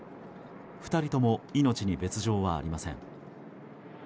２人とも命に別条はありません。